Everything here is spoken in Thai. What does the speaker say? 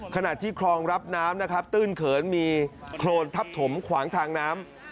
ขณะที่คลองรับน้ำนะครับตื้นเขินมีโครนทับถมขวางทางน้ำ